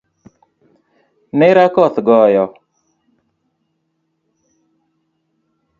Nera koth goyo